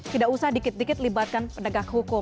tidak usah dikit dikit melibatkan pendegang hukum